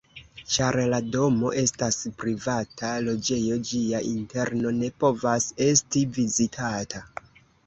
Ĉar la domo estas privata loĝejo, ĝia interno ne povas esti vizitata.